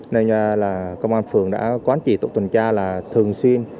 nên là công an phường đã quán trì tổ tuần tra là thường xuyên